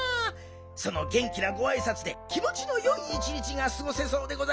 そのげん気なごあいさつで気もちのよい一日がすごせそうでございますですはい！